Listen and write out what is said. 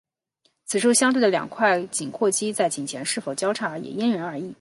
此外相对的两块颈阔肌在颈前是否交叉也因人而异。